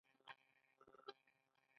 لارډ کرزن د بنګال د ویشلو هڅه وکړه.